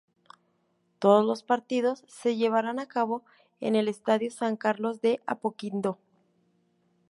Todos los partidos se llevaron a cabo en el Estadio San Carlos de Apoquindo.